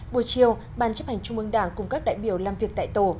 buổi chiều ban chấp hành trung mương đảng cùng các đại biểu làm việc tại tổ